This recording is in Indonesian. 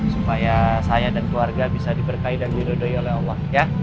supaya saya dan keluarga bisa diberkai dan dirodoi oleh allah ya